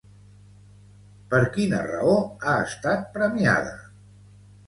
Per quina raó ha estat premiada?